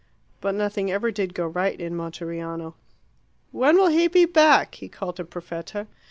But nothing ever did go right in Monteriano. "When will he be back?" he called to Perfetta.